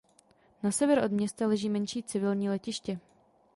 Na sever od města leží menší civilní letiště.